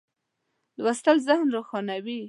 لوستل ذهن روښانوي.